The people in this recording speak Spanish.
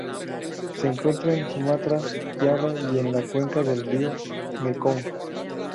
Se encuentra en Sumatra, Java y en la cuenca del río Mekong.